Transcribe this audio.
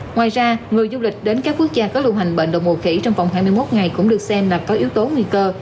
ngoài ra người du lịch đến các quốc gia có lưu hành bệnh đồng mùa khỉ trong vòng hai mươi một ngày cũng được xem là có yếu tố nguy cơ